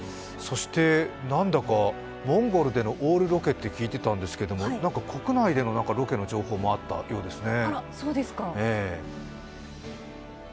なんだかモンゴルでのオールロケと聞いていたんですが国内でのロケの情報もあったようですね。